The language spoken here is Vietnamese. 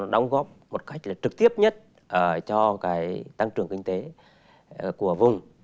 đóng góp một cách là trực tiếp nhất cho tăng trưởng kinh tế của vùng